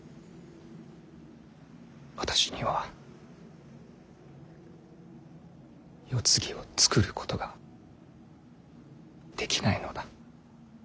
私には世継ぎを作ることができないのだ。